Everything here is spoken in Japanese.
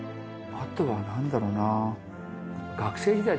あとはなんだろうな。